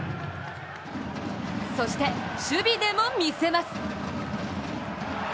そして守備でもみせます。